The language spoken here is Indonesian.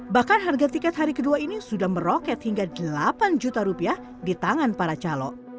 bahkan harga tiket hari kedua ini sudah meroket hingga delapan juta rupiah di tangan para calo